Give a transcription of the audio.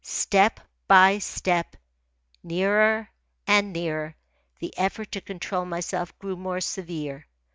Step by step, nearer and nearer, the effort to control myself grew more severe.